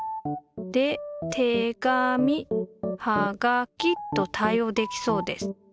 でてがみ・はがきと対応できそうです。